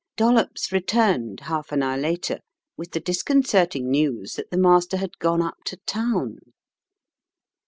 Dollops returned half an hour later with the dis concerting news that the master had gone up to town.